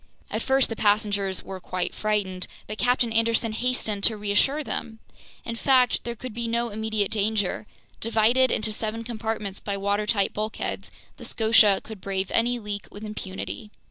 At first the passengers were quite frightened, but Captain Anderson hastened to reassure them. In fact, there could be no immediate danger. Divided into seven compartments by watertight bulkheads, the Scotia could brave any leak with impunity.